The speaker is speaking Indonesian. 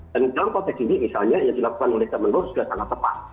dan dalam konteks ini misalnya yang dilakukan oleh kemenur sudah sangat tepat